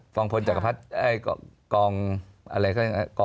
คองพันธุ์แก้วกายสิทธิ์